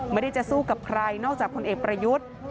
ไม่ได้จะสู้กับใครนอกจากพลเอกประยุทธ์